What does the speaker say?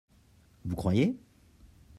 Vous croyez ?